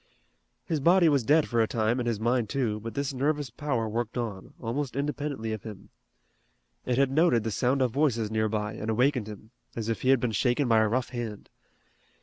His body was dead for a time and his mind too, but this nervous power worked on, almost independently of him. It had noted the sound of voices nearby, and awakened him, as if he had been shaken by a rough hand.